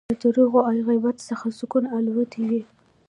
له درواغو او غیبت څخه سکون الوتی وي